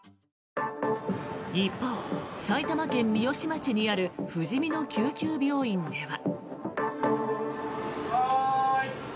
一方、埼玉県三芳町にあるふじみの救急病院では。